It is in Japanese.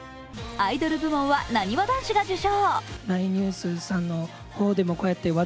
アイドル部門はなにわ男子が受賞。